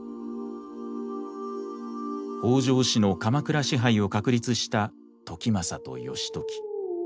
北条氏の鎌倉支配を確立した時政と義時。